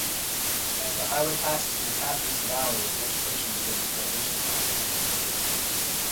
As the highway passes through Catheys Valley the vegetation begins to diversify a little.